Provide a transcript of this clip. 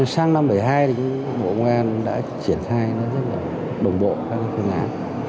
sang năm một nghìn chín trăm bảy mươi hai bộ ngoan đã triển khai đồng bộ các phương án